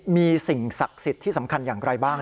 มีสิ่งศักดิ์สิทธิ์ที่สำคัญอย่างไรบ้าง